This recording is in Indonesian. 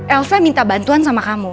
elsa minta bantuan sama kamu